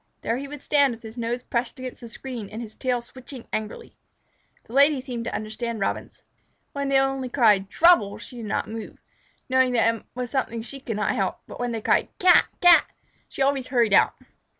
There he would stand, with his nose pressed against the screen and his tail switching angrily. The Lady seemed to understand Robins. When they only cried "Trouble!" she did not move, knowing it was something she could not help, but when they cried, "Cat! Cat!" she always hurried out.